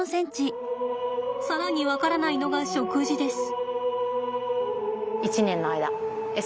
更に分からないのが食事です。